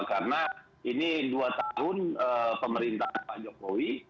karena ini dua tahun pemerintahan pak jokowi